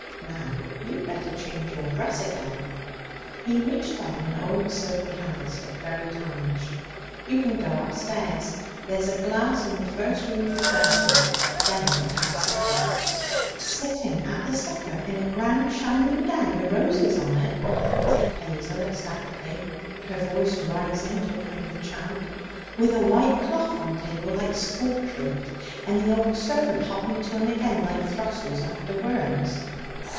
Now you'd better change your dress again.' He reached down an old silver candlestick, very tarnished. 'You can go upstairs. There's a glass in the first room you come to. Then we'll have supper.' 'Sitting at the supper in a grand shining gown wi' roses on it,' said Hazel ecstatically, her voice rising to a kind of chant, 'with a white cloth on table like school treat, and the old servant hopping to and agen like thrussels after worms.'